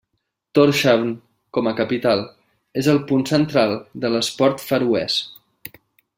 Tórshavn, com a capital, és el punt central de l'esport feroès.